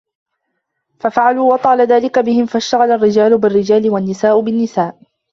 فَفَعَلُوا وَطَالَ ذَلِكَ بِهِمْ فَاشْتَغَلَ الرِّجَالُ بِالرِّجَالِ وَالنِّسَاءُ بِالنِّسَاءِ